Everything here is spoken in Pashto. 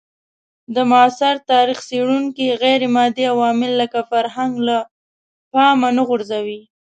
د معاصر تاریخ څېړونکي غیرمادي عوامل لکه فرهنګ له پامه نه غورځوي.